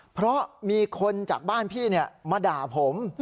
เพราะมีคนจากบ้านพี่มาด่าผม